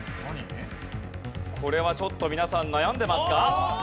これはちょっと皆さん悩んでますか？